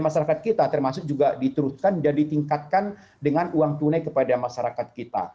masyarakat kita termasuk juga diterutkan dan ditingkatkan dengan uang tunai kepada masyarakat kita